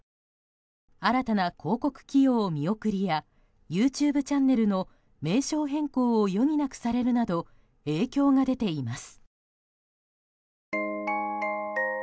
新たな広告起用見送りやＹｏｕＴｕｂｅチャンネルの名称変更を余儀なくされるなど影響が出ています。